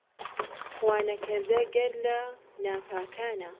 خوا نەکەردە گەر لە ناپاکانە